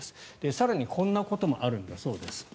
更にこんなこともあるんだそうです。